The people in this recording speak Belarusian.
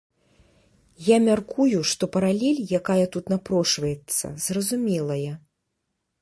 Я мяркую, што паралель, якая тут напрошваецца, зразумелая.